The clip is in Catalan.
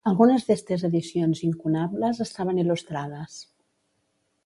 Algunes d'estes edicions incunables estaven il·lustrades.